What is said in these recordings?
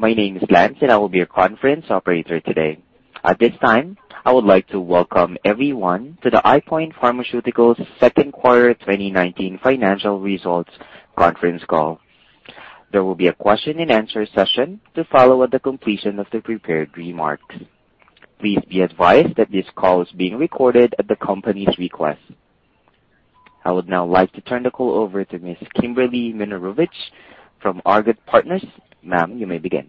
My name is Lance. I will be your conference operator today. At this time, I would like to welcome everyone to the EyePoint Pharmaceuticals Second Quarter 2019 Financial Results Conference Call. There will be a question and answer session to follow at the completion of the prepared remarks. Please be advised that this call is being recorded at the company's request. I would now like to turn the call over to Ms. Kimberly Minarovich from Argot Partners. Ma'am, you may begin.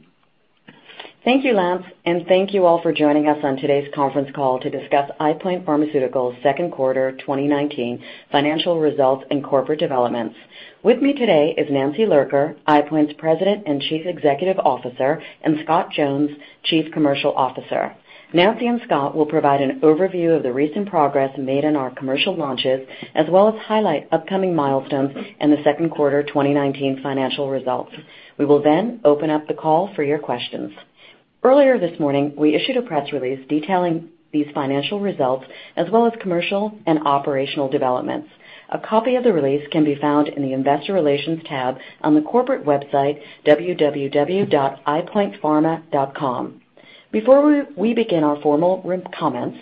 Thank you, Lance. Thank you all for joining us on today's conference call to discuss EyePoint Pharmaceuticals' second quarter 2019 financial results and corporate developments. With me today is Nancy Lurker, EyePoint's President and Chief Executive Officer, and Scott Jones, Chief Commercial Officer. Nancy and Scott will provide an overview of the recent progress made in our commercial launches, as well as highlight upcoming milestones in the second quarter 2019 financial results. We will then open up the call for your questions. Earlier this morning, we issued a press release detailing these financial results as well as commercial and operational developments. A copy of the release can be found in the investor relations tab on the corporate website, www.eyepointpharma.com. Before we begin our formal written comments,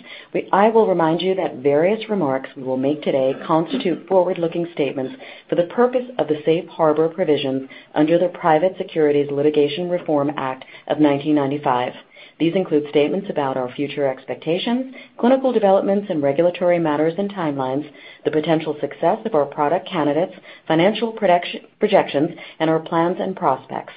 I will remind you that various remarks we will make today constitute forward-looking statements for the purpose of the Safe Harbor provisions under the Private Securities Litigation Reform Act of 1995. These include statements about our future expectations, clinical developments, and regulatory matters and timelines, the potential success of our product candidates, financial projections, and our plans and prospects.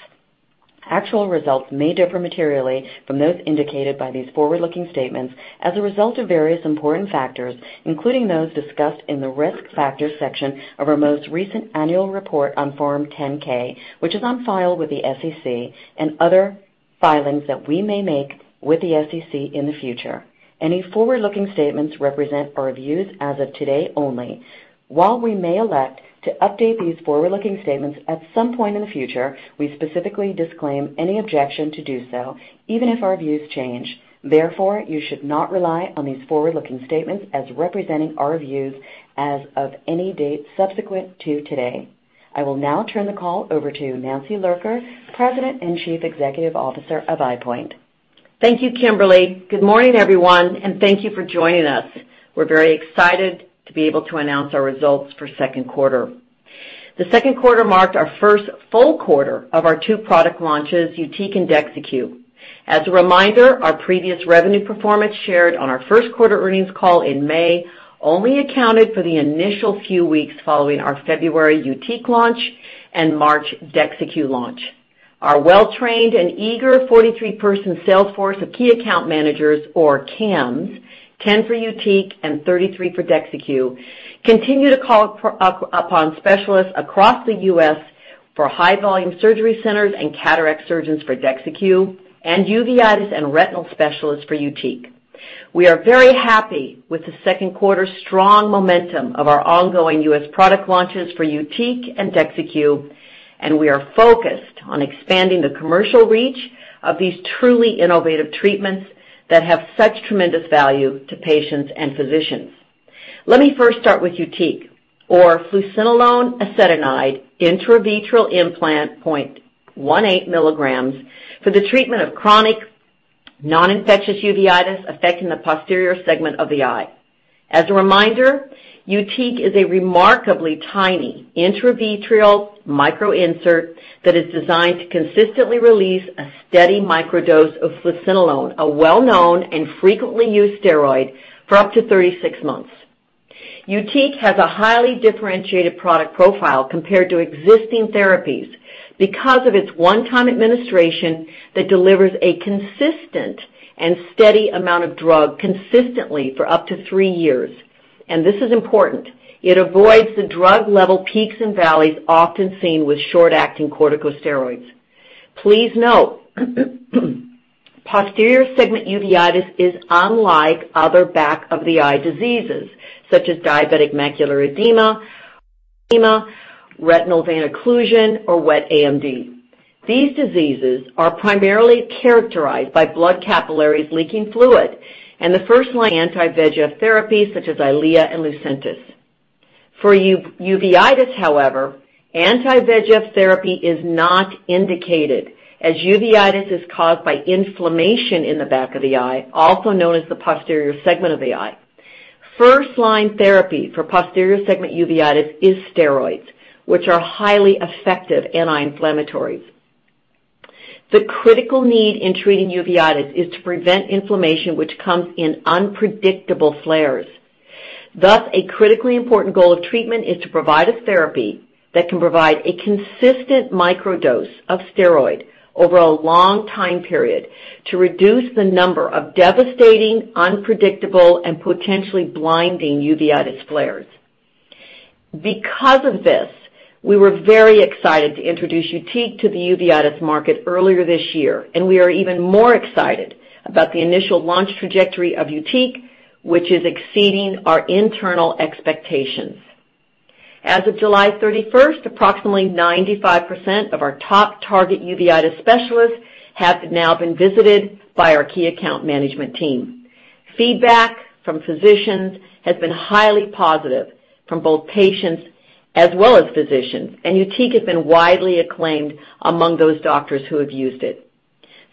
Actual results may differ materially from those indicated by these forward-looking statements as a result of various important factors, including those discussed in the Risk Factors section of our most recent annual report on Form 10-K, which is on file with the SEC and other filings that we may make with the SEC in the future. Any forward-looking statements represent our views as of today only. While we may elect to update these forward-looking statements at some point in the future, we specifically disclaim any objection to do so, even if our views change. Therefore, you should not rely on these forward-looking statements as representing our views as of any date subsequent to today. I will now turn the call over to Nancy Lurker, President and Chief Executive Officer of EyePoint. Thank you, Kimberly. Good morning, everyone, and thank you for joining us. We're very excited to be able to announce our results for the second quarter. The second quarter marked our first full quarter of our two product launches, YUTIQ and DEXYCU. As a reminder, our previous revenue performance shared on our first quarter earnings call in May only accounted for the initial few weeks following our February YUTIQ launch and March DEXYCU launch. Our well-trained and eager 43-person sales force of Key Account Managers or CAMs, 10 for YUTIQ and 33 for DEXYCU, continue to call upon specialists across the U.S. for high-volume surgery centers and cataract surgeons for DEXYCU and uveitis and retinal specialists for YUTIQ. We are very happy with the second quarter's strong momentum of our ongoing U.S. product launches for YUTIQ and DEXYCU. We are focused on expanding the commercial reach of these truly innovative treatments that have such tremendous value to patients and physicians. Let me first start with YUTIQ, or fluocinolone acetonide intravitreal implant 0.18 milligrams for the treatment of chronic non-infectious uveitis affecting the posterior segment of the eye. As a reminder, YUTIQ is a remarkably tiny intravitreal microinsert that is designed to consistently release a steady microdose of fluocinolone, a well-known and frequently used steroid, for up to 36 months. YUTIQ has a highly differentiated product profile compared to existing therapies because of its one-time administration that delivers a consistent and steady amount of drug consistently for up to 3 years. This is important. It avoids the drug level peaks and valleys often seen with short-acting corticosteroids. Please note, posterior segment uveitis is unlike other back-of-the-eye diseases, such as diabetic macular edema, retinal vein occlusion, or wet AMD. These diseases are primarily characterized by blood capillaries leaking fluid, and the first-line anti-VEGF therapy such as EYLEA and Lucentis. For uveitis, however, anti-VEGF therapy is not indicated, as uveitis is caused by inflammation in the back of the eye, also known as the posterior segment of the eye. First-line therapy for posterior segment uveitis is steroids, which are highly effective anti-inflammatories. The critical need in treating uveitis is to prevent inflammation, which comes in unpredictable flares. Thus, a critically important goal of treatment is to provide a therapy that can provide a consistent microdose of steroid over a long time period to reduce the number of devastating, unpredictable, and potentially blinding uveitis flares. We were very excited to introduce YUTIQ to the uveitis market earlier this year, and we are even more excited about the initial launch trajectory of YUTIQ, which is exceeding our internal expectations. As of July 31st, approximately 95% of our top target uveitis specialists have now been visited by our key account management team. Feedback from physicians has been highly positive from both patients as well as physicians. YUTIQ has been widely acclaimed among those doctors who have used it.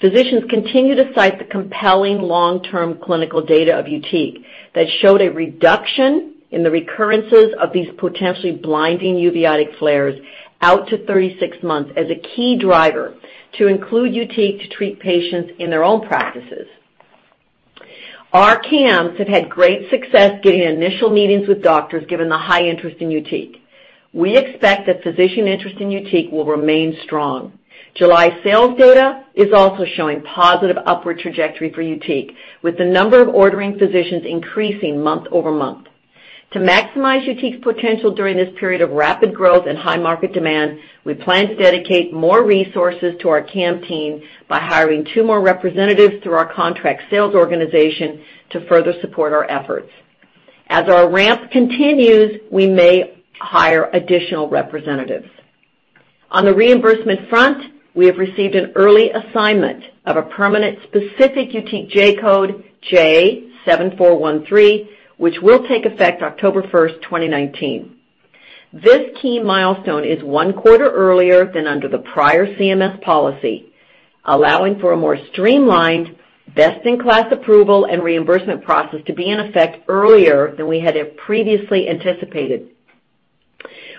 Physicians continue to cite the compelling long-term clinical data of YUTIQ that showed a reduction in the recurrences of these potentially blinding uveitic flares out to 36 months as a key driver to include YUTIQ to treat patients in their own practices. Our CAMs have had great success getting initial meetings with doctors, given the high interest in YUTIQ. We expect that physician interest in YUTIQ will remain strong. July sales data is also showing positive upward trajectory for YUTIQ, with the number of ordering physicians increasing month-over-month. To maximize YUTIQ's potential during this period of rapid growth and high market demand, we plan to dedicate more resources to our CAMs team by hiring two more representatives through our contract sales organization to further support our efforts. As our ramp continues, we may hire additional representatives. On the reimbursement front, we have received an early assignment of a permanent specific YUTIQ J-code, J7413, which will take effect October 1st, 2019. This key milestone is one quarter earlier than under the prior CMS policy, allowing for a more streamlined, best-in-class approval and reimbursement process to be in effect earlier than we had previously anticipated.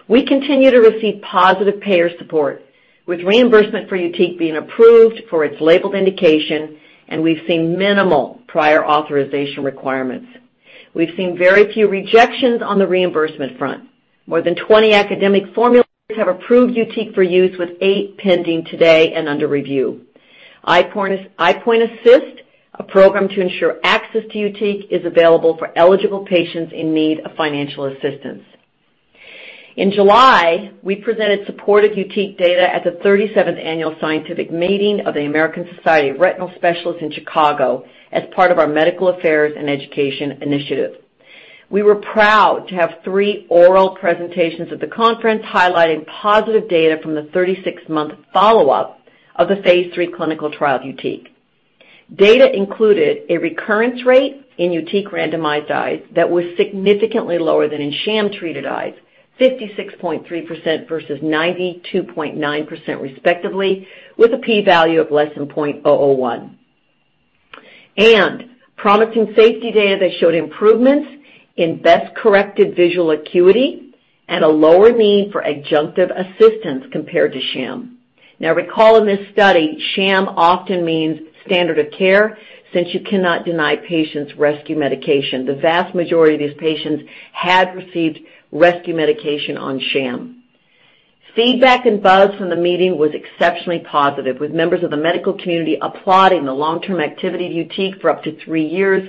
We continue to receive positive payer support, with reimbursement for YUTIQ being approved for its labeled indication, and we've seen minimal prior authorization requirements. We've seen very few rejections on the reimbursement front. More than 20 academic formularies have approved YUTIQ for use, with eight pending today and under review. EyePoint Assist, a program to ensure access to YUTIQ, is available for eligible patients in need of financial assistance. In July, we presented supportive YUTIQ data at the 37th Annual Scientific Meeting of the American Society of Retina Specialists in Chicago as part of our medical affairs and education initiative. We were proud to have three oral presentations at the conference highlighting positive data from the 36-month follow-up of the phase III clinical trial of YUTIQ. Data included a recurrence rate in YUTIQ randomized eyes that was significantly lower than in sham-treated eyes, 56.3% versus 92.9% respectively, with a P value of less than 0.001. Promising safety data that showed improvements in best corrected visual acuity and a lower need for adjunctive assistance compared to sham. Recall in this study, sham often means standard of care since you cannot deny patients rescue medication. The vast majority of these patients had received rescue medication on sham. Feedback and buzz from the meeting was exceptionally positive, with members of the medical community applauding the long-term activity of YUTIQ for up to 3 years,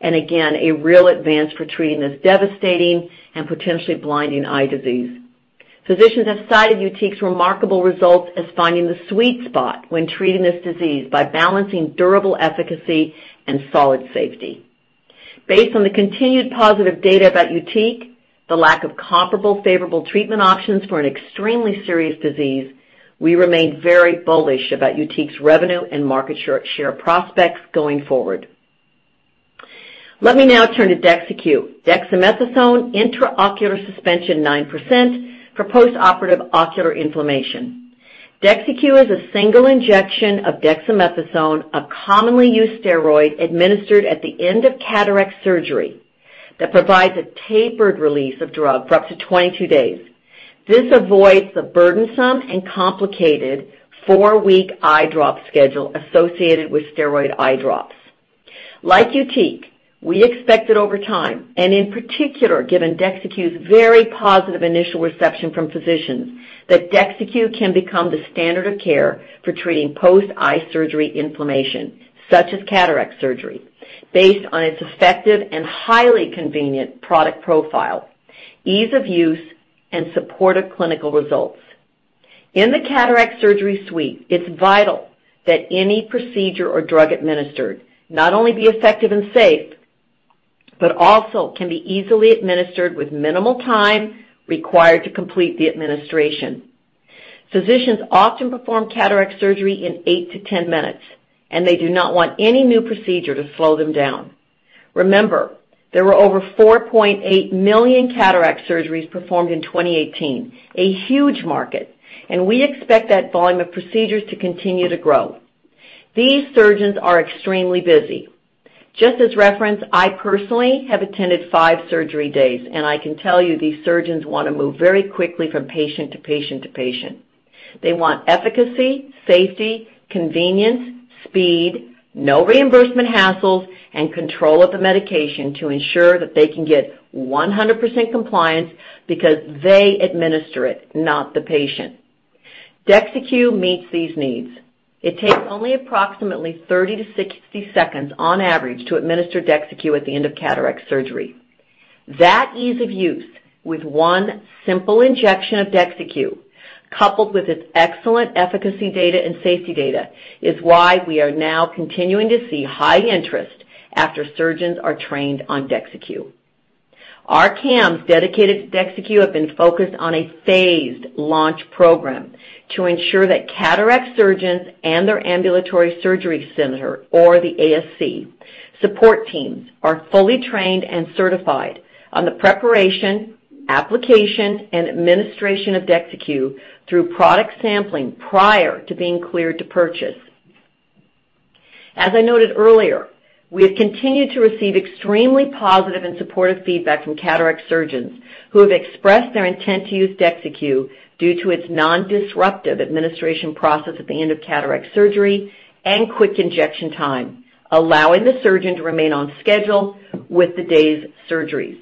and again, a real advance for treating this devastating and potentially blinding eye disease. Physicians have cited YUTIQ's remarkable results as finding the sweet spot when treating this disease by balancing durable efficacy and solid safety. Based on the continued positive data about YUTIQ, the lack of comparable favorable treatment options for an extremely serious disease, we remain very bullish about YUTIQ's revenue and market share prospects going forward. Let me now turn to dexamethasone intraocular suspension 9% for postoperative ocular inflammation. dexamethasone is a single injection of dexamethasone, a commonly used steroid administered at the end of cataract surgery that provides a tapered release of drug for up to 22 days. This avoids the burdensome and complicated four-week eye drop schedule associated with steroid eye drops. Like YUTIQ, we expect that over time, and in particular, given dexamethasone's very positive initial reception from physicians, that dexamethasone can become the standard of care for treating post-eye surgery inflammation, such as cataract surgery, based on its effective and highly convenient product profile, ease of use, and supportive clinical results. In the cataract surgery suite, it's vital that any procedure or drug administered not only be effective and safe, but also can be easily administered with minimal time required to complete the administration. Physicians often perform cataract surgery in eight to 10 minutes. They do not want any new procedure to slow them down. Remember, there were over 4.8 million cataract surgeries performed in 2018. A huge market. We expect that volume of procedures to continue to grow. These surgeons are extremely busy. Just as reference, I personally have attended five surgery days. I can tell you these surgeons want to move very quickly from patient to patient to patient. They want efficacy, safety, convenience, speed, no reimbursement hassles, and control of the medication to ensure that they can get 100% compliance because they administer it, not the patient. Dexamethasone meets these needs. It takes only approximately 30-60 seconds on average to administer dexamethasone at the end of cataract surgery. That ease of use with one simple injection of dexamethasone, coupled with its excellent efficacy data and safety data, is why we are now continuing to see high interest after surgeons are trained on dexamethasone. Our CAMs dedicated to DEXYCU have been focused on a phased launch program to ensure that cataract surgeons and their ambulatory surgery center, or the ASC, support teams are fully trained and certified on the preparation, application, and administration of DEXYCU through product sampling, prior to being cleared to purchase. As I noted earlier, we have continued to receive extremely positive and supportive feedback from cataract surgeons who have expressed their intent to use DEXYCU due to its non-disruptive administration process at the end of cataract surgery and quick injection time, allowing the surgeon to remain on schedule with the day's surgeries.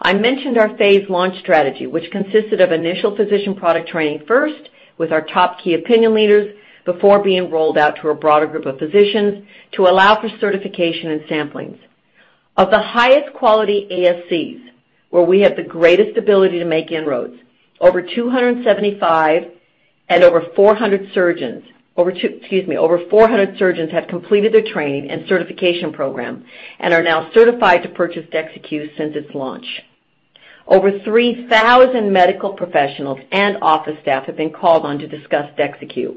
I mentioned our phased launch strategy, which consisted of initial physician product training first with our top key opinion leaders before being rolled out to a broader group of physicians to allow for certification and samplings. Of the highest quality ASCs, where we have the greatest ability to make inroads, over 275 and over 400 surgeons have completed their training and certification program and are now certified to purchase DEXYCU since its launch. Over 3,000 medical professionals and office staff have been called on to discuss DEXYCU.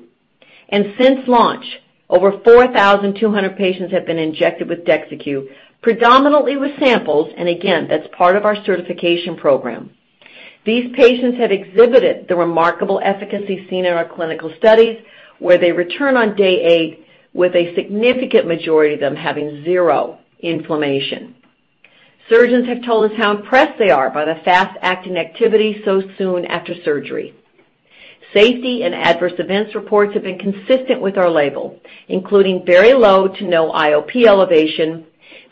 Since launch, over 4,200 patients have been injected with DEXYCU, predominantly with samples, and again, that's part of our certification program. These patients have exhibited the remarkable efficacy seen in our clinical studies, where they return on day eight with a significant majority of them having zero inflammation. Surgeons have told us how impressed they are by the fast-acting activity so soon after surgery. Safety and adverse events reports have been consistent with our label, including very low to no IOP elevation,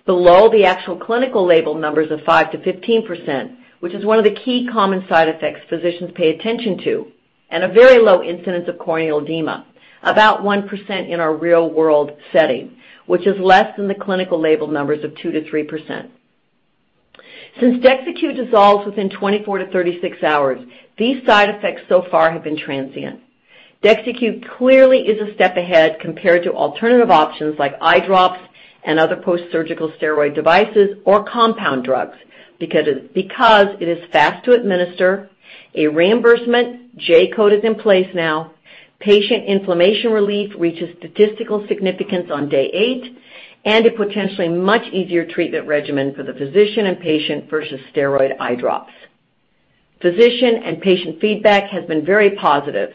below the actual clinical label numbers of 5%-15%, which is one of the key common side effects physicians pay attention to, and a very low incidence of corneal edema, about 1% in our real-world setting, which is less than the clinical label numbers of 2%-3%. Since DEXYCU dissolves within 24 to 36 hours, these side effects so far have been transient. DEXYCU clearly is a step ahead compared to alternative options like eye drops and other post-surgical steroid devices or compound drugs because it is fast to administer, a reimbursement J-code is in place now, patient inflammation relief reaches statistical significance on day eight, and a potentially much easier treatment regimen for the physician and patient versus steroid eye drops. Physician and patient feedback has been very positive,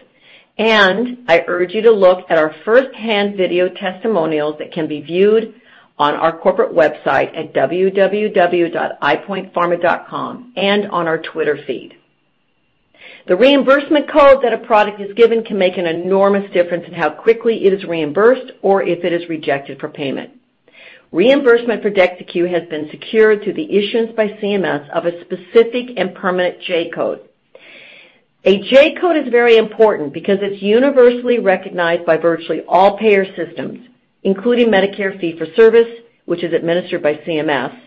and I urge you to look at our first-hand video testimonials that can be viewed on our corporate website at www.eyepointpharma.com and on our Twitter feed. The reimbursement code that a product is given can make an enormous difference in how quickly it is reimbursed or if it is rejected for payment. Reimbursement for DEXYCU has been secured through the issuance by CMS of a specific and permanent J-code. A J-code is very important because it's universally recognized by virtually all payer systems, including Medicare Fee-for-Service, which is administered by CMS,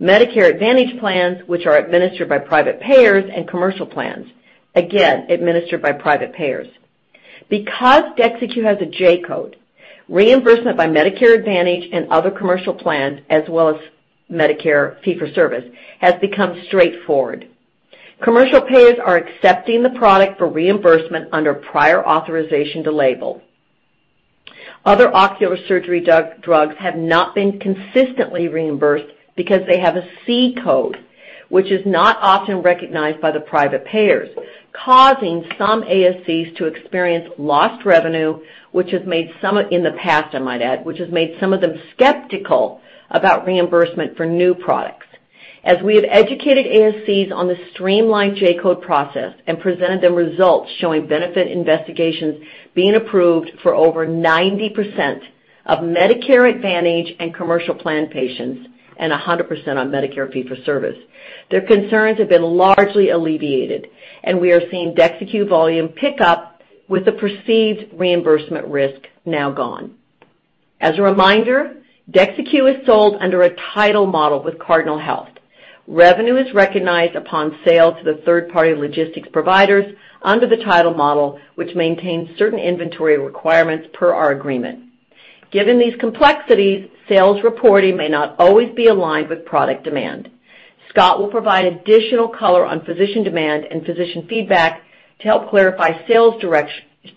Medicare Advantage Plans, which are administered by private payers, and commercial plans, again, administered by private payers. Because DEXYCU has a J-code, reimbursement by Medicare Advantage and other commercial plans, as well as Medicare Fee-for-Service, has become straightforward. Commercial payers are accepting the product for reimbursement under prior authorization to label. Other ocular surgery drugs have not been consistently reimbursed because they have a C-code, which is not often recognized by the private payers, causing some ASCs to experience lost revenue in the past, I might add, which has made some of them skeptical about reimbursement for new products. As we have educated ASCs on the streamlined J-code process and presented them results showing benefit investigations being approved for over 90% of Medicare Advantage and commercial plan patients and 100% on Medicare Fee-for-Service, their concerns have been largely alleviated, and we are seeing DEXYCU volume pick up with the perceived reimbursement risk now gone. As a reminder, DEXYCU is sold under a title model with Cardinal Health. Revenue is recognized upon sale to the third-party logistics providers under the title model, which maintains certain inventory requirements per our agreement. Given these complexities, sales reporting may not always be aligned with product demand. Scott will provide additional color on physician demand and physician feedback to help clarify sales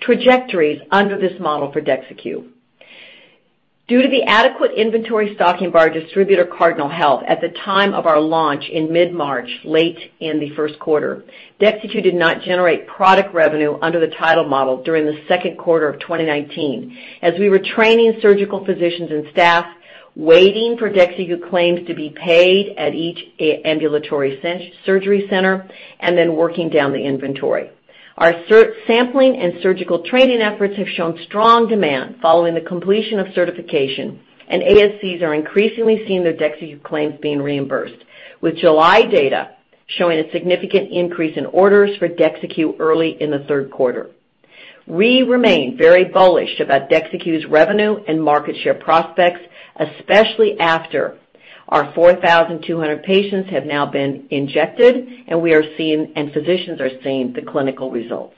trajectories under this model for DEXYCU. Due to the adequate inventory stocking by our distributor, Cardinal Health, at the time of our launch in mid-March, late in the first quarter, DEXYCU did not generate product revenue under the title model during the second quarter of 2019, as we were training surgical physicians and staff, waiting for DEXYCU claims to be paid at each ambulatory surgery center, and then working down the inventory. Our sampling and surgical training efforts have shown strong demand following the completion of certification, and ASCs are increasingly seeing their DEXYCU claims being reimbursed, with July data showing a significant increase in orders for DEXYCU early in the third quarter. We remain very bullish about DEXYCU's revenue and market share prospects, especially after our 4,200 patients have now been injected and physicians are seeing the clinical results.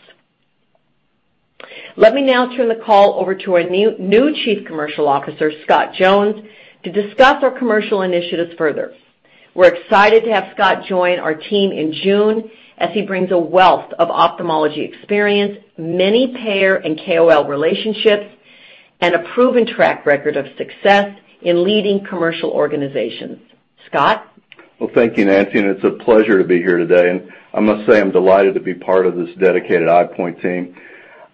Let me now turn the call over to our new Chief Commercial Officer, Scott Jones, to discuss our commercial initiatives further. We're excited to have Scott join our team in June, as he brings a wealth of ophthalmology experience, many payer and KOL relationships, and a proven track record of success in leading commercial organizations. Scott? Well, thank you, Nancy, it's a pleasure to be here today. I must say, I'm delighted to be part of this dedicated EyePoint team.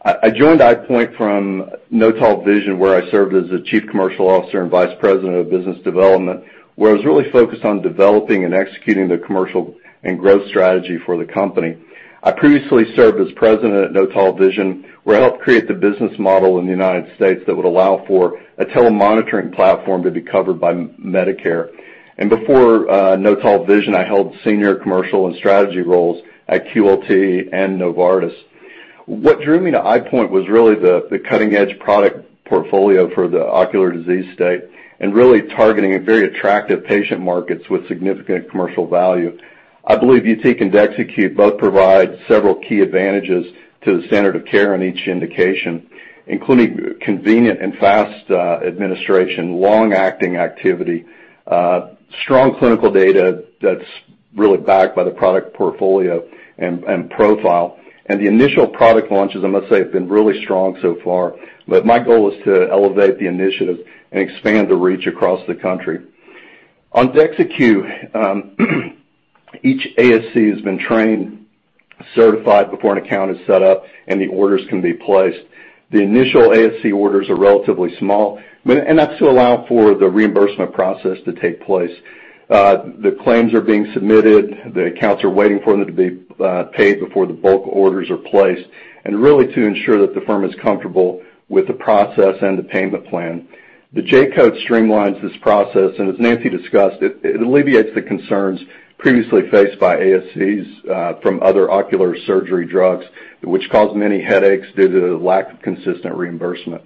I joined EyePoint from Notal Vision, where I served as the chief commercial officer and vice president of business development, where I was really focused on developing and executing the commercial and growth strategy for the company. I previously served as president at Notal Vision, where I helped create the business model in the United States that would allow for a telemonitoring platform to be covered by Medicare. Before Notal Vision, I held senior commercial and strategy roles at QLT and Novartis. What drew me to EyePoint was really the cutting-edge product portfolio for the ocular disease state and really targeting very attractive patient markets with significant commercial value. I believe YUTIQ and DEXYCU both provide several key advantages to the standard of care in each indication, including convenient and fast administration, long-acting activity, strong clinical data that's really backed by the product portfolio and profile. The initial product launches, I must say, have been really strong so far. My goal is to elevate the initiative and expand the reach across the country. On DEXYCU, each ASC has been trained and certified before an account is set up, and the orders can be placed. The initial ASC orders are relatively small, and that's to allow for the reimbursement process to take place. The claims are being submitted. The accounts are waiting for them to be paid before the bulk orders are placed and really to ensure that the firm is comfortable with the process and the payment plan. The J-code streamlines this process. As Nancy discussed, it alleviates the concerns previously faced by ASCs from other ocular surgery drugs, which caused many headaches due to lack of consistent reimbursement.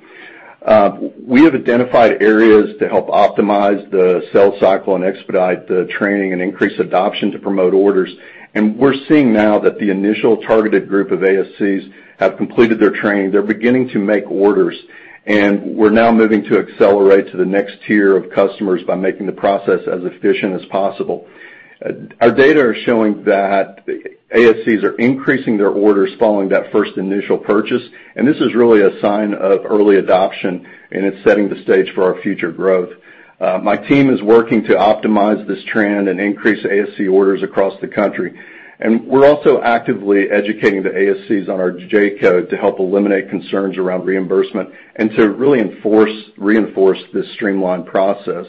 We have identified areas to help optimize the sales cycle and expedite the training and increase adoption to promote orders. We're seeing now that the initial targeted group of ASCs have completed their training. They're beginning to make orders. We're now moving to accelerate to the next tier of customers by making the process as efficient as possible. Our data are showing that ASCs are increasing their orders following that first initial purchase. This is really a sign of early adoption. It's setting the stage for our future growth. My team is working to optimize this trend and increase ASC orders across the country. We're also actively educating the ASCs on our J-code to help eliminate concerns around reimbursement and to really reinforce this streamlined process.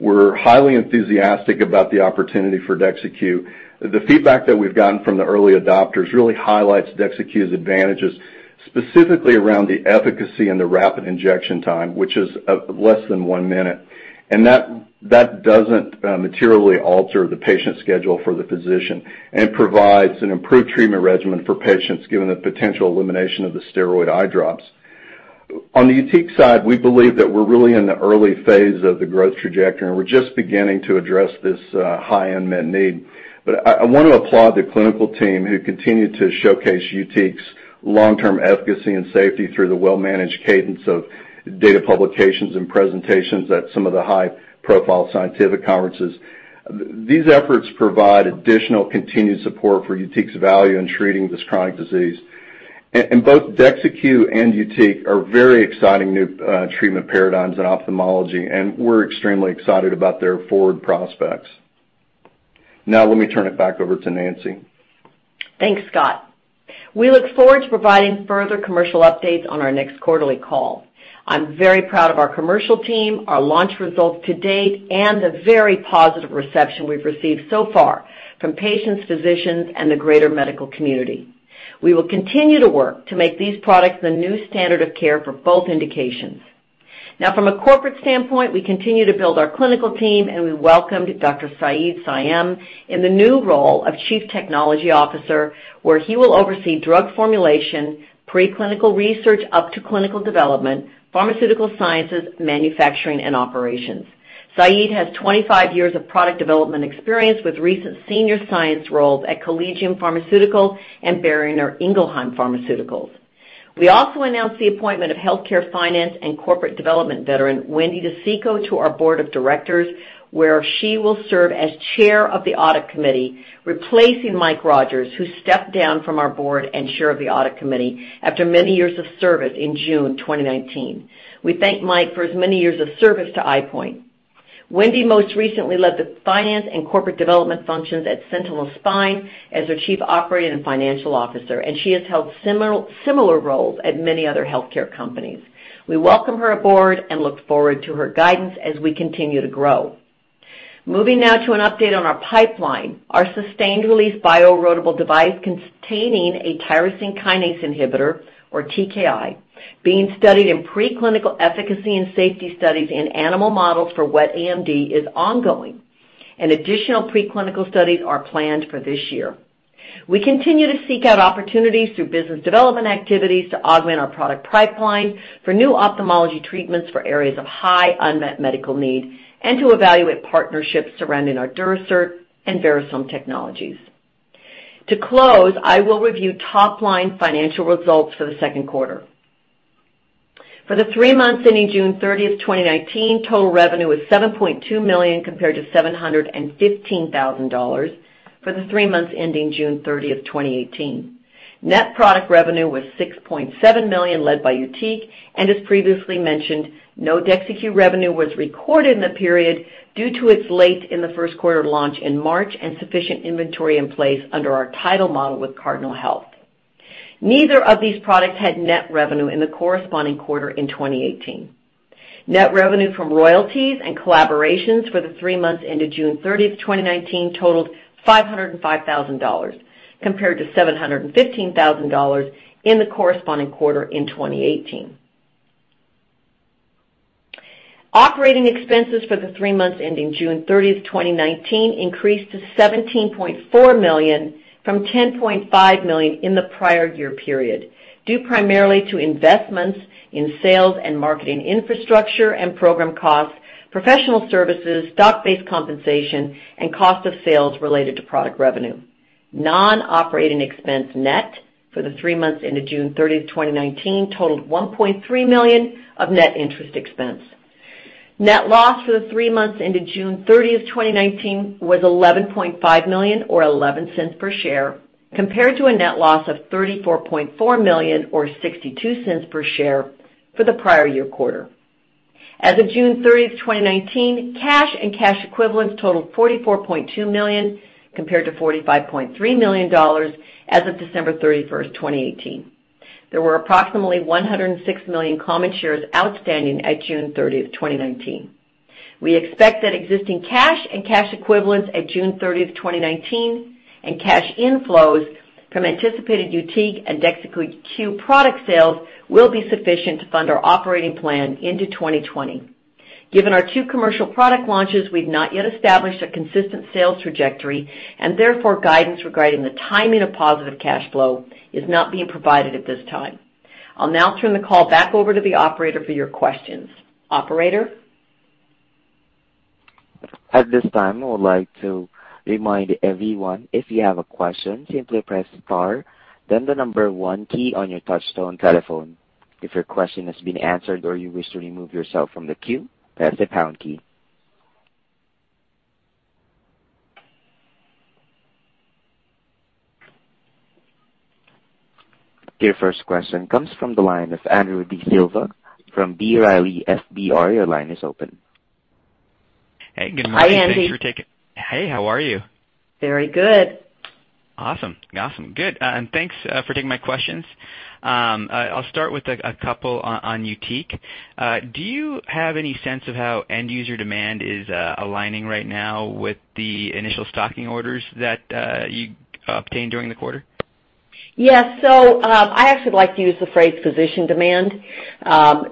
We're highly enthusiastic about the opportunity for DEXYCU. The feedback that we've gotten from the early adopters really highlights DEXYCU's advantages, specifically around the efficacy and the rapid injection time, which is less than one minute. That doesn't materially alter the patient schedule for the physician and provides an improved treatment regimen for patients, given the potential elimination of the steroid eye drops. On the YUTIQ side, we believe that we're really in the early phase of the growth trajectory, and we're just beginning to address this high unmet need. I want to applaud the clinical team who continued to showcase YUTIQ's long-term efficacy and safety through the well-managed cadence of data publications and presentations at some of the high-profile scientific conferences. These efforts provide additional continued support for YUTIQ's value in treating this chronic disease. Both DEXYCU and YUTIQ are very exciting new treatment paradigms in ophthalmology, and we're extremely excited about their forward prospects. Now, let me turn it back over to Nancy. Thanks, Scott. We look forward to providing further commercial updates on our next quarterly call. I'm very proud of our commercial team, our launch results to date, and the very positive reception we've received so far from patients, physicians, and the greater medical community. We will continue to work to make these products the new standard of care for both indications. From a corporate standpoint, we continue to build our clinical team, and we welcomed Dr. Saeed Saim in the new role of Chief Technology Officer, where he will oversee drug formulation, pre-clinical research up to clinical development, pharmaceutical sciences, manufacturing, and operations. Said has 25 years of product development experience, with recent senior science roles at Collegium Pharmaceutical and Boehringer Ingelheim Pharmaceuticals. We also announced the appointment of healthcare finance and corporate development veteran Wendy DiCicco to our board of directors, where she will serve as chair of the audit committee, replacing Mike Rogers, who stepped down from our board and chair of the audit committee after many years of service in June 2019. We thank Mike for his many years of service to EyePoint. Wendy most recently led the finance and corporate development functions at Centinel Spine as their Chief Operating and Financial Officer, and she has held similar roles at many other healthcare companies. We welcome her aboard and look forward to her guidance as we continue to grow. Moving now to an update on our pipeline. Our sustained-release bioerodible device containing a tyrosine kinase inhibitor, or TKI, being studied in preclinical efficacy and safety studies in animal models for wet AMD is ongoing, and additional preclinical studies are planned for this year. We continue to seek out opportunities through business development activities to augment our product pipeline for new ophthalmology treatments for areas of high unmet medical need and to evaluate partnerships surrounding our Durasert and Verisome technologies. To close, I will review top-line financial results for the second quarter. For the three months ending June 30, 2019, total revenue was $7.2 million compared to $715,000 for the three months ending June 30, 2018. Net product revenue was $6.7 million led by YUTIQ. As previously mentioned, no DEXYCU revenue was recorded in the period due to its late in the first quarter launch in March and sufficient inventory in place under our title model with Cardinal Health. Neither of these products had net revenue in the corresponding quarter in 2018. Net revenue from royalties and collaborations for the three months ending June 30, 2019 totaled $505,000 compared to $715,000 in the corresponding quarter in 2018. Operating expenses for the three months ending June 30, 2019 increased to $17.4 million from $10.5 million in the prior year period, due primarily to investments in sales and marketing infrastructure and program costs, professional services, stock-based compensation, and cost of sales related to product revenue. Non-operating expense net for the three months ending June 30, 2019 totaled $1.3 million of net interest expense. Net loss for the three months ending June 30th, 2019 was $11.5 million or $0.11 per share, compared to a net loss of $34.4 million or $0.62 per share for the prior year quarter. As of June 30th, 2019, cash and cash equivalents totaled $44.2 million, compared to $45.3 million as of December 31st, 2018. There were approximately 106 million common shares outstanding at June 30th, 2019. We expect that existing cash and cash equivalents at June 30th, 2019 and cash inflows from anticipated YUTIQ and DEXYCU product sales will be sufficient to fund our operating plan into 2020. Given our two commercial product launches, we've not yet established a consistent sales trajectory, and therefore guidance regarding the timing of positive cash flow is not being provided at this time. I'll now turn the call back over to the operator for your questions. Operator? At this time, I would like to remind everyone, if you have a question, simply press star, then the number one key on your touchtone telephone. If your question has been answered or you wish to remove yourself from the queue, press the pound key. Your first question comes from the line of Andrew DiSilva from B. Riley FBR. Your line is open. Hi, Andy. Hey, good morning. Hey, how are you? Very good. Awesome. Good. Thanks for taking my questions. I'll start with a couple on YUTIQ. Do you have any sense of how end user demand is aligning right now with the initial stocking orders that you obtained during the quarter? Yeah. I actually like to use the phrase physician demand.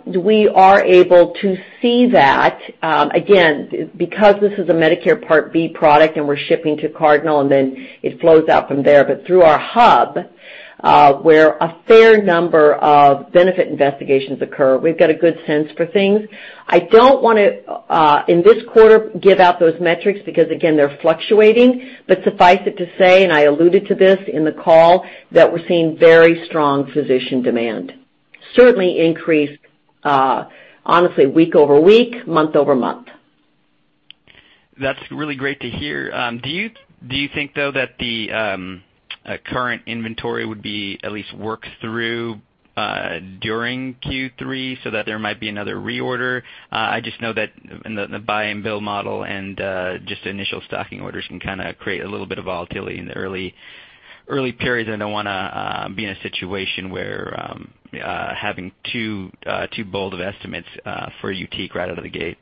We are able to see that. Again, because this is a Medicare Part B product and we're shipping to Cardinal, and then it flows out from there, but through our hub where a fair number of benefit investigations occur. We've got a good sense for things. I don't want to, in this quarter, give out those metrics because, again, they're fluctuating. Suffice it to say, and I alluded to this in the call, that we're seeing very strong physician demand. Certainly increased honestly week-over-week, month-over-month. That's really great to hear. Do you think, though, that the current inventory would be at least worked through during Q3 so that there might be another reorder? I just know that in the buy and bill model and just initial stocking orders can kind of create a little bit of volatility in the early periods. I don't want to be in a situation where having too bold of estimates for YUTIQ right out of the gate.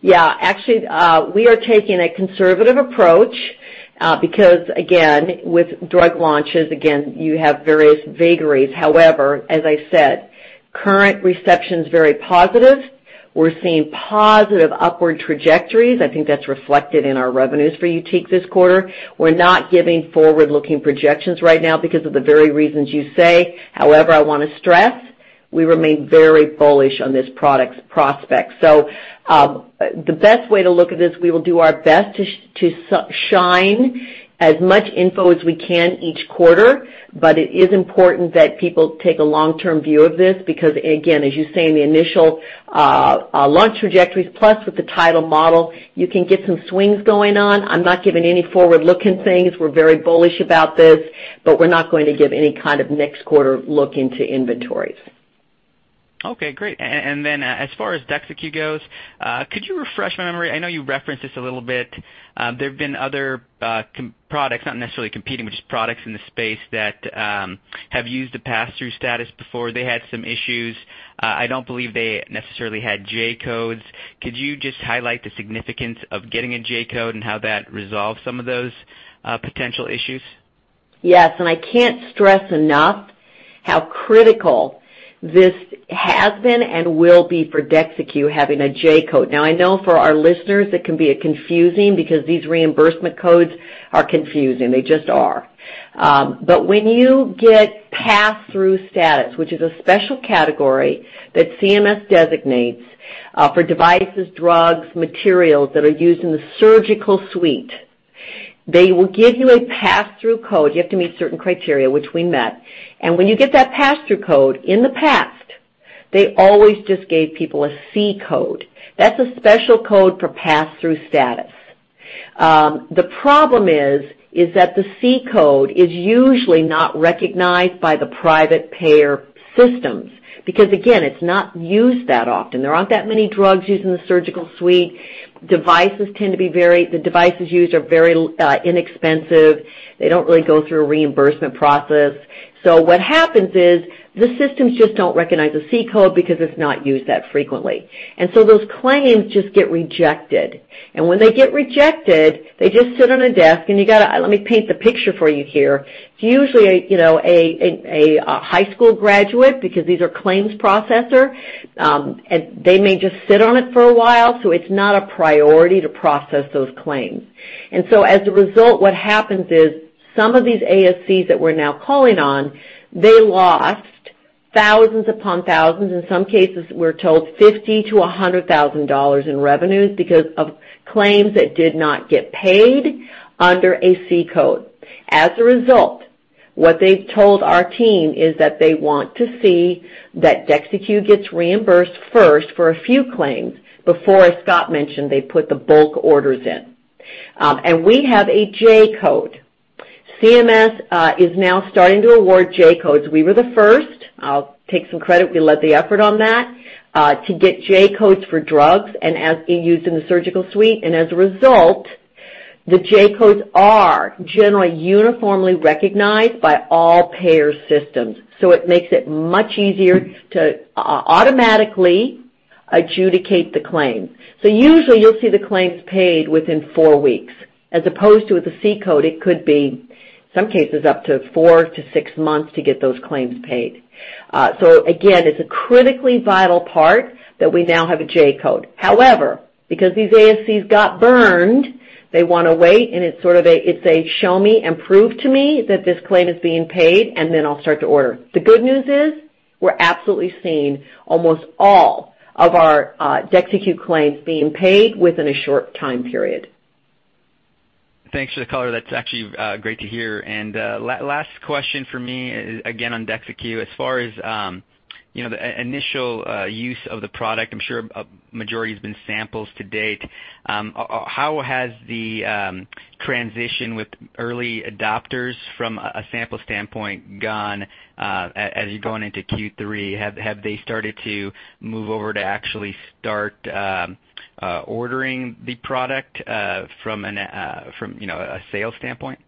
Yeah. Actually, we are taking a conservative approach because, again, with drug launches, again, you have various vagaries. As I said, current reception's very positive. We're seeing positive upward trajectories. I think that's reflected in our revenues for YUTIQ this quarter. We're not giving forward-looking projections right now because of the very reasons you say. I want to stress, we remain very bullish on this product's prospects. The best way to look at this, we will do our best to shine as much info as we can each quarter. It is important that people take a long-term view of this, because again, as you say, in the initial launch trajectories plus with the title model, you can get some swings going on. I'm not giving any forward-looking things. We're very bullish about this, but we're not going to give any kind of next quarter look into inventories. Okay, great. As far as DEXYCU goes, could you refresh my memory? I know you referenced this a little bit. There have been other products, not necessarily competing, but just products in the space that have used the pass-through status before. They had some issues. I don't believe they necessarily had J-codes. Could you just highlight the significance of getting a J-code and how that resolves some of those potential issues? Yes, I can't stress enough how critical this has been and will be for DEXYCU having a J-code. I know for our listeners, it can be confusing because these reimbursement codes are confusing. They just are. When you get pass-through status, which is a special category that CMS designates for devices, drugs, materials that are used in the surgical suite, they will give you a pass-through code. You have to meet certain criteria, which we met. When you get that pass-through code, in the past, they always just gave people a C-code. That's a special code for pass-through status. The problem is that the C-code is usually not recognized by the private payer systems because, again, it's not used that often. There aren't that many drugs used in the surgical suite. The devices used are very inexpensive. They don't really go through a reimbursement process. What happens is the systems just don't recognize a C-code because it's not used that frequently. Those claims just get rejected. When they get rejected, they just sit on a desk. Let me paint the picture for you here. It's usually a high school graduate because these are claims processor, and they may just sit on it for a while, so it's not a priority to process those claims. As a result, what happens is some of these ASCs that we're now calling on, they lost thousands upon thousands, in some cases we're told $50,000-$100,000 in revenues because of claims that did not get paid under a C-code. As a result, what they've told our team is that they want to see that DEXYCU gets reimbursed first for a few claims before, as Scott mentioned, they put the bulk orders in. We have a J-code. CMS is now starting to award J-codes. We were the first. I'll take some credit, we led the effort on that, to get J-codes for drugs and as being used in the surgical suite. As a result, the J-codes are generally uniformly recognized by all payer systems. It makes it much easier to automatically adjudicate the claim. Usually you'll see the claims paid within four weeks, as opposed to with a C-code, it could be some cases up to four to six months to get those claims paid. Again, it's a critically vital part that we now have a J-code. Because these ASCs got burned, they want to wait and it's a show me and prove to me that this claim is being paid, and then I'll start to order. The good news is, we're absolutely seeing almost all of our DEXYCU claims being paid within a short time period. Thanks for the color. That's actually great to hear. Last question from me, again on DEXYCU. As far as the initial use of the product, I'm sure a majority has been samples to date. How has the transition with early adopters from a sample standpoint gone as you're going into Q3? Have they started to move over to actually start ordering the product from a sales standpoint?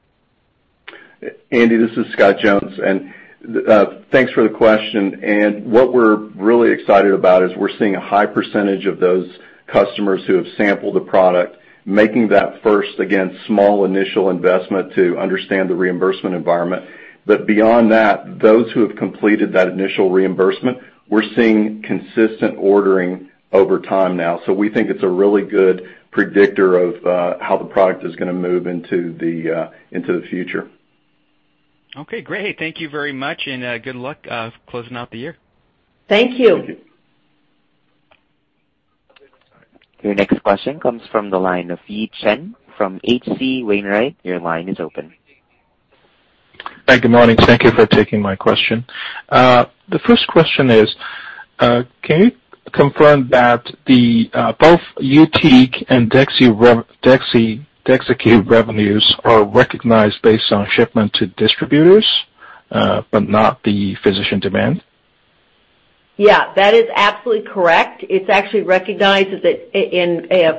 Andy, this is Scott Jones. Thanks for the question. What we're really excited about is we're seeing a high % of those customers who have sampled the product making that first, again, small initial investment to understand the reimbursement environment. Beyond that, those who have completed that initial reimbursement, we're seeing consistent ordering over time now. We think it's a really good predictor of how the product is going to move into the future. Okay, great. Thank you very much, and good luck closing out the year. Thank you. Thank you. Your next question comes from the line of Yi Chen from H.C. Wainwright. Your line is open. Hi, good morning. Thank you for taking my question. The first question is, can you confirm that both YUTIQ and DEXYCU revenues are recognized based on shipment to distributors, but not the physician demand? Yeah, that is absolutely correct. It's actually recognized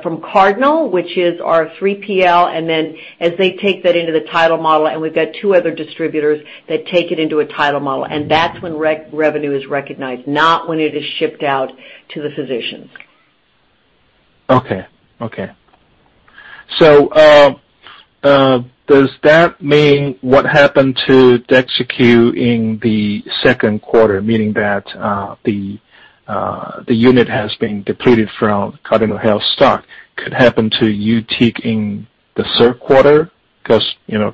from Cardinal, which is our 3PL, and then as they take that into the title model, and we've got two other distributors that take it into a title model. That's when revenue is recognized, not when it is shipped out to the physicians. Does that mean what happened to DEXYCU in the second quarter, meaning that the unit has been depleted from Cardinal Health stock, could happen to YUTIQ in the third quarter?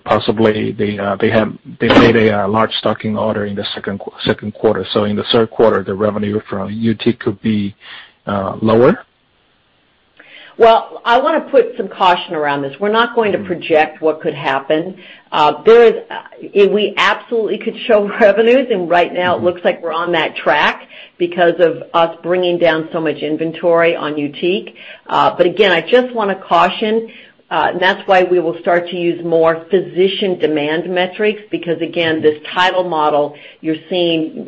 Possibly they made a large stocking order in the second quarter. In the third quarter, the revenue from YUTIQ could be lower? I want to put some caution around this. We're not going to project what could happen. We absolutely could show revenues, and right now it looks like we're on that track because of us bringing down so much inventory on YUTIQ. Again, I just want to caution, that's why we will start to use more physician demand metrics because, again, this title model you're seeing,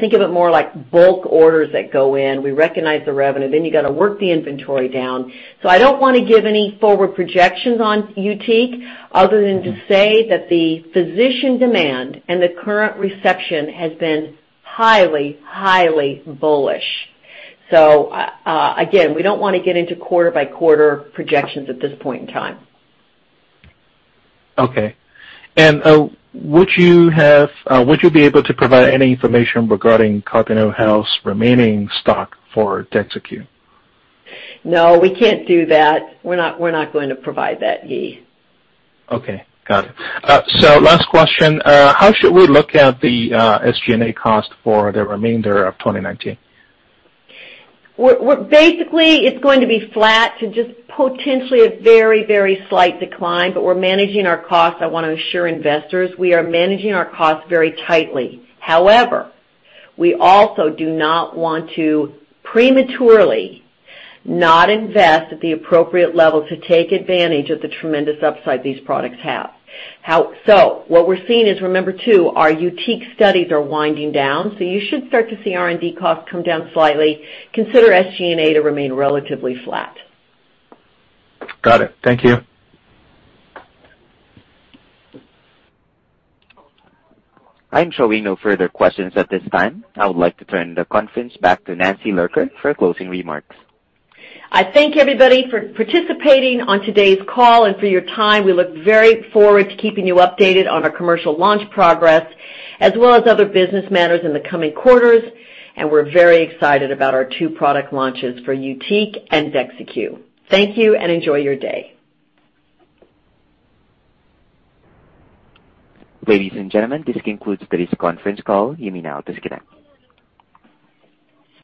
think of it more like bulk orders that go in. We recognize the revenue, then you got to work the inventory down. I don't want to give any forward projections on YUTIQ other than to say that the physician demand and the current reception has been highly bullish. Again, we don't want to get into quarter by quarter projections at this point in time. Okay. Would you be able to provide any information regarding Cardinal Health's remaining stock for DEXYCU? No, we can't do that. We're not going to provide that, Yi. Okay. Got it. Last question. How should we look at the SG&A cost for the remainder of 2019? It's going to be flat to just potentially a very, very slight decline. We're managing our costs. I want to assure investors, we are managing our costs very tightly. We also do not want to prematurely not invest at the appropriate level to take advantage of the tremendous upside these products have. What we're seeing is, remember too, our YUTIQ studies are winding down. You should start to see R&D costs come down slightly. Consider SG&A to remain relatively flat. Got it. Thank you. I'm showing no further questions at this time. I would like to turn the conference back to Nancy Lurker for closing remarks. I thank everybody for participating on today's call and for your time. We look very forward to keeping you updated on our commercial launch progress as well as other business matters in the coming quarters. We're very excited about our two product launches for YUTIQ and DEXYCU. Thank you and enjoy your day. Ladies and gentlemen, this concludes today's conference call. You may now disconnect.